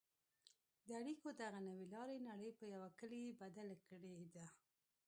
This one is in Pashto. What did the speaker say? د اړیکو دغې نوې لارې نړۍ په یوه کلي بدله کړې ده.